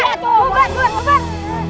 bubat bubat bubat